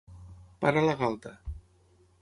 Parar la galta.